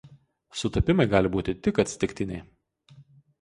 sutapimai gali būti tik atsitiktiniai